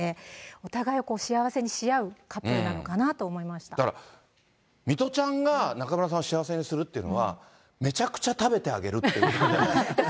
お互いを幸せにし合うカップルなだから、水卜ちゃんが中村さんを幸せにするっていうのは、めちゃくちゃ食べてあげるっていうことじゃないの？